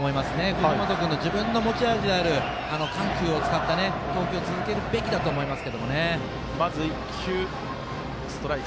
藤本君、自分の持ち味である緩急を使った投球を続けるべきだと思います。